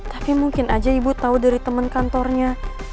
tapi mungkin aja ibu tahu dari teman kantornya